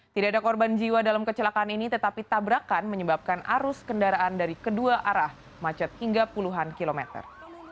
tidak ada korban jiwa dalam kecelakaan ini tetapi tabrakan menyebabkan arus kendaraan dari kedua arah macet hingga puluhan kilometer